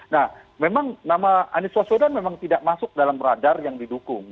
nah memang nama anies waswedan memang tidak masuk dalam radar yang didukung